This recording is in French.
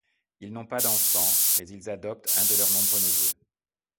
Ils n'ont pas d'enfant, mais ils adoptent un de leurs nombreux neveux.